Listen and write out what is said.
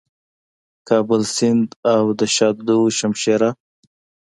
کابل سیند او د شاه دو شمشېره